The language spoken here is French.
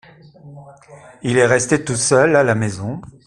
Il est resté tout seul à la maison.